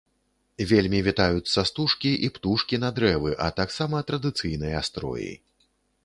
Вельмі вітаюцца стужкі і птушкі на дрэвы, а таксама традыцыйныя строі.